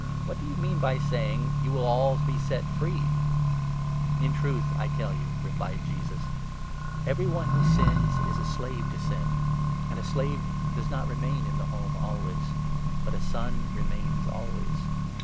What do you mean by saying ' you will be set free '?"" In truth I tell you," replied Jesus, "every one who sins is a 34 slave to sin. And a slave does not remain in the home always ; 35 but a son remains always.